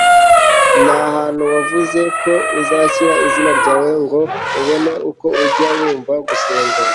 n'ahantu wavuze ko uzashyira izina ryawe, ngo ubone uko ujya wumva gusenga